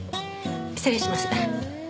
失礼します。